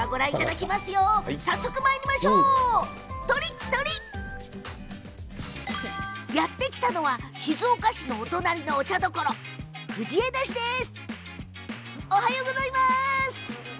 早速いきましょう、とりっとりやって来たのは静岡市のお隣のお茶どころ藤枝市です。